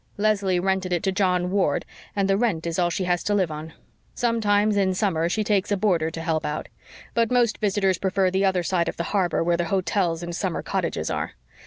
Leslie rented it to John Ward, and the rent is all she has to live on. Sometimes in summer she takes a boarder to help out. But most visitors prefer the other side of the harbor where the hotels and summer cottages are.